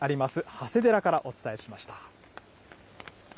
長谷寺からお伝えしました。